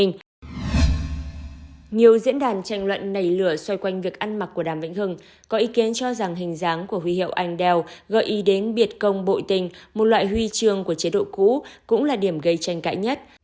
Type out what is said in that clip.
nhiều diễn đàn tranh luận nảy lửa xoay quanh việc ăn mặc của đàm vĩnh hưng có ý kiến cho rằng hình dáng của huy hiệu anh đèo gợi ý đến biệt công bội tình một loại huy chương của chế độ cũ cũng là điểm gây tranh cãi nhất